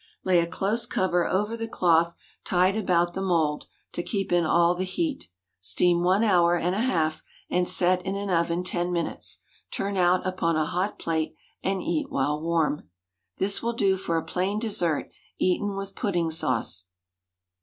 Lay a close cover over the cloth tied about the mould, to keep in all the heat. Steam one hour and a half, and set in an oven ten minutes. Turn out upon a hot plate, and eat while warm. This will do for a plain dessert, eaten with pudding sauce.